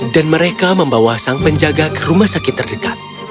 dan mereka membawa sang penjaga ke rumah sakit terdekat